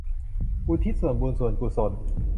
อุทิศส่วนบุญส่วนกุศล